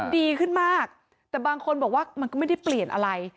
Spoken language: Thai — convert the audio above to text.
ดีขึ้นมากแต่บางคนบอกว่ามันก็ไม่ได้เปลี่ยนอะไร